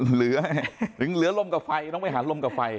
เหลือถึงเหลือลมกับไฟต้องไปหาลมกับไฟ